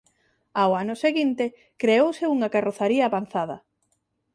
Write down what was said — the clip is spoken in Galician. Ao ano seguinte creouse unha carrozaría avanzada.